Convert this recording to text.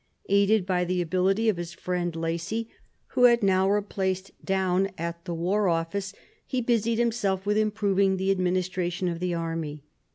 Aided by the ability of his friend Lacy, who had now replaced Daun at the "War Office, he busied himself with improving the administration of the army.